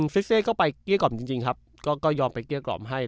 ซิเซก็ไปเกลี้ยกล่อมจริงครับก็ยอมไปเกลี้ยกล่อมให้